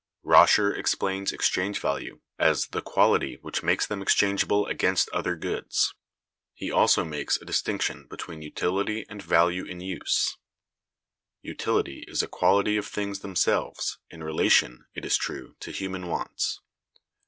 Roscher(195) explains exchange value as "the quality which makes them exchangeable against other goods." He also makes a distinction between utility and value in use: "Utility is a quality of things themselves, in relation, it is true, to human wants.